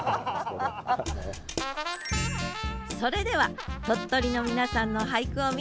それでは鳥取の皆さんの俳句を見ていきますよ